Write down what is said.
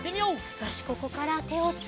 よしここからてをついて。